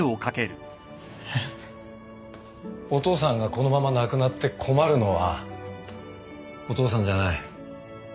お父さんがこのまま亡くなって困るのはお父さんじゃない。